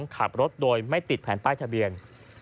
ขับรถโดยไม่ติดแผ่นป้ายทะเบียน